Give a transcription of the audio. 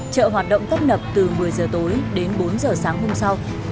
chợ hoạt động cấp nập từ một mươi giờ tối đến bốn giờ sáng hôm sau